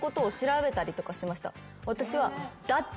私は。